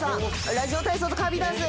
ラジオ体操とカーヴィーダンス。